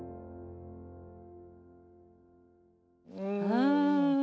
うん。